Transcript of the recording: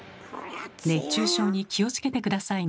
熱中症に気を付けて下さいね。